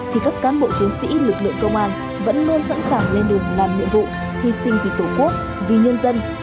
thì các cán bộ chiến sĩ lực lượng công an vẫn luôn sẵn sàng lên đường làm nhiệm vụ hy sinh vì tổ quốc vì nhân dân